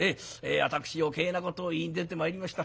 私余計なことを言いに出てまいりました。